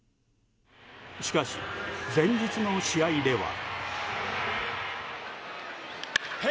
しかし、前日の試合では。